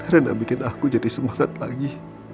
rena bikin aku jadi semangat lagi